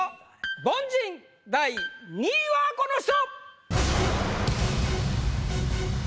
凡人第２位はこの人！